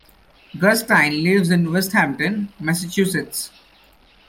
Gerstein lives in Westhampton, Massachusetts.